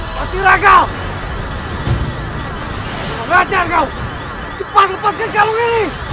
kali ini aku tidak akan tertangkap lagi